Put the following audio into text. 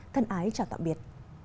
thân ái chào tạm biệt